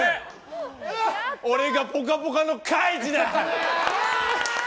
俺が「ぽかぽか」のカイジだ！